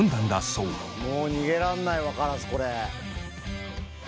もう逃げらんないわカラスこれ。